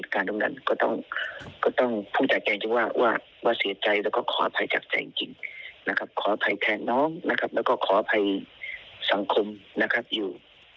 ขออภัยแทนน้องแล้วก็ขออภัยสังคมอยู่